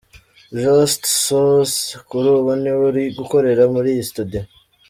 Just Jose kuri ubu ni we uri gukorera muri iyi studio.